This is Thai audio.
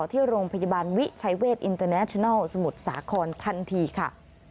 ที่โรงพยาบาลวิชัยเวทอินเตอร์แนชินัลสมุทรสาครทันทีค่ะ